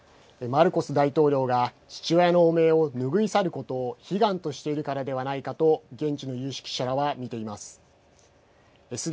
マルコス大統領が父親の汚名を拭い去ることを悲願としているからではないかと現地の有識者らは見ています。